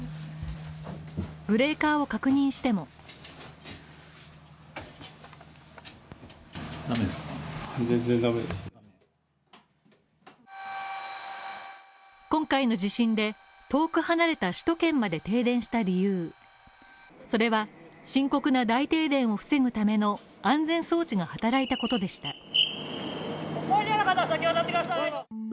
ブレーカーを確認しても今回の地震で遠く離れた首都圏まで停電した理由、それは、深刻な大停電を防ぐための安全装置が働いたことでした。